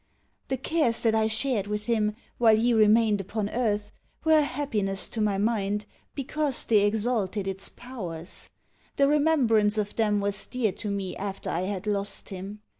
The cares that I shared with him, while he remained upon earth, were a happiness to my mind, because they exalted its powers. The remembrance of them was dear to me after I had lost him.